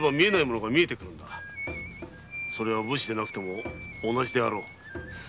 それは武士でなくとも同じであろう。